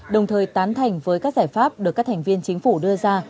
đồng thời tán thành với các giải pháp được các thành viên chính phủ đưa ra